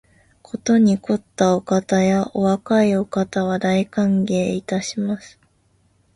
ことに肥ったお方や若いお方は、大歓迎いたします